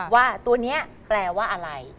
ว่าตัวนี้แปลว่าอะไร